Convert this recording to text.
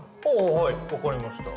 はい分かりました。